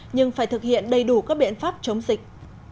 nhưng phải thực hiện đầy đủ các biện pháp chống dịch